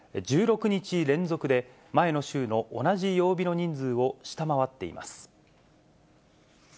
１６日連続で前の週の同じ曜日の人数を下回っています。